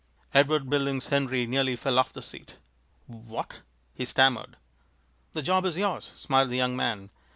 Edward Billings Henry nearly fell off the seat. "W hat?" he stammered. "The job is yours," smiled the young man.